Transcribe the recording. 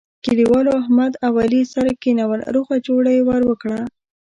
کلیوالو احمد او علي سره کېنول روغه جوړه یې ور وکړه.